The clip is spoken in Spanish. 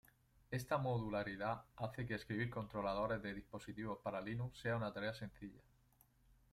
Esta modularidad hace que escribir controladores de dispositivos para Linux sea una tarea sencilla.